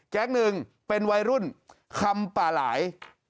หนึ่งเป็นวัยรุ่นคำป่าหลาย